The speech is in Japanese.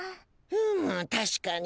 うむ確かに。